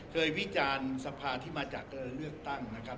วิจารณ์สภาที่มาจากการเลือกตั้งนะครับ